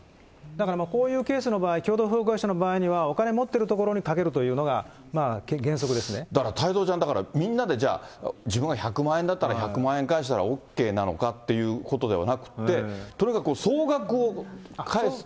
だからこういうケースの場合、共同不法行為者の場合、お金持ってるところにかけるというのが原だから太蔵ちゃん、みんなでだから自分が１００万円だったら１００万円返せばＯＫなのかということではなくて、とにかく総額を返す？